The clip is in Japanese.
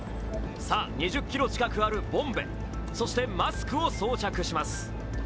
さあ、２０ｋｇ近くあるボンベそしてマスクを装着します。